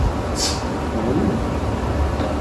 Teɣli.